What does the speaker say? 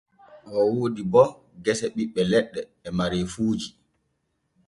O woodi bo geesa ɓiɓɓe leɗɗe e mareefuuji.